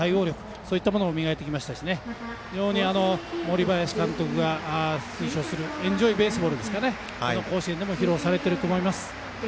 そういうものも磨いてきましたし森林監督が推奨する「エンジョイベースボール」が甲子園でも披露されていると思います。